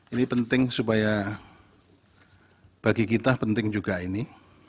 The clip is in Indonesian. ini penting supaya bagi kita penting juga ini